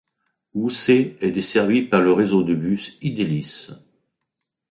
Ousse est desservie par le réseau de bus Idelis.